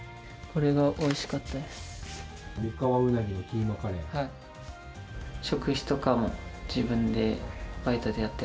これがおいしかったです。